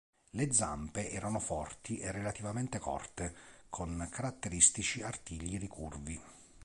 Le zampe erano forti e relativamente corte, con caratteristici artigli ricurvi.